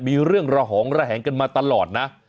มีเรื่องระหองระแหงกันมาตลอดนะ